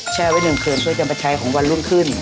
แช่ไว้เนื่องเกินเพื่อจะมาใช้ของวันรุ่นขึ้น